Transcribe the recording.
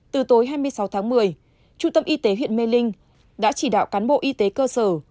từ tối hai mươi sáu tháng một mươi trung tâm y tế huyện mê linh đã chỉ đạo cán bộ y tế cơ sở